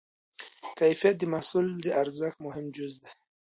کیفیت د محصول د ارزښت مهم جز دی.